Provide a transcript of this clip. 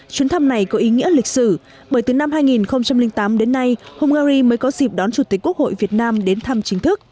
chuyến thăm này có ý nghĩa lịch sử bởi từ năm hai nghìn tám đến nay hungary mới có dịp đón chủ tịch quốc hội việt nam đến thăm chính thức